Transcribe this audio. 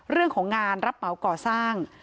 เรื่องของงานรับเหมาก่อสร้าง